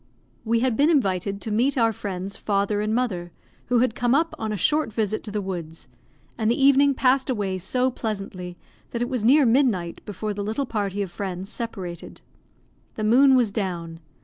We had been invited to meet our friend's father and mother, who had come up on a short visit to the woods; and the evening passed away so pleasantly that it was near midnight before the little party of friends separated. The moon was down.